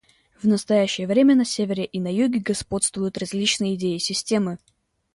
В настоящее время на Севере и на Юге господствуют различные идеи и системы.